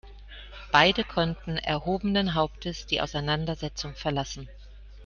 Beide konnten erhobenen Hauptes die Auseinandersetzung verlassen.